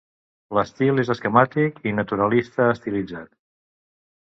L'estil és esquemàtic i naturalista-estilitzat.